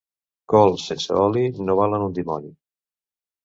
Cols sense oli no valen un dimoni.